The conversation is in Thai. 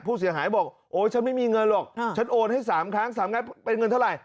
ผู้เสียหายบอกโอ๊ยฉันไม่มีเงินหรอกฉันโอนให้๓ครั้ง๓งัดเป็นเงินเท่าไหร่